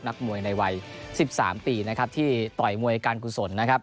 นักมวยในวัย๑๓ปีนะครับที่ต่อยมวยการกุศลนะครับ